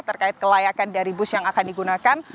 terkait kelayakan dari bus yang akan digunakan